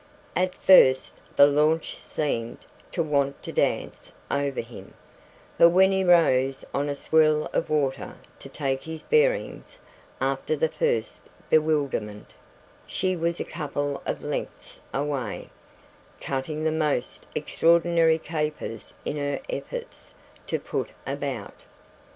At first the launch seemed to want to dance over him, but when he rose on a swirl of water to take his bearings after the first bewilderment, she was a couple of lengths away, cutting the most extraordinary capers in her efforts to put about.